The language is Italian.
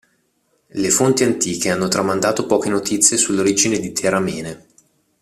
Le fonti antiche hanno tramandato poche notizie sulle origini di Teramene.